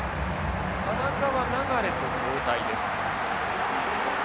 田中は流と交代です。